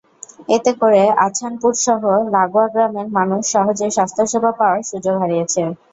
এতে করে আছানপুরসহ লাগোয়া গ্রামের মানুষ সহজে স্বাস্থ্যসেবা পাওয়ার সুযোগ হারিয়েছে।